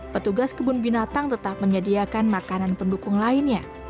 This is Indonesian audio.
petugas kebun binatang tetap menyediakan makanan pendukung lainnya